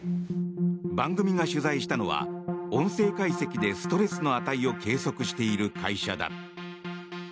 番組が取材したのは音声解析でストレスの値を計測している会社だ。